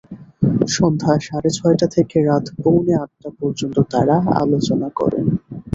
সন্ধ্যা সাড়ে ছয়টা থেকে রাত পৌনে আটটা পর্যন্ত তাঁরা আলোচনা করেন।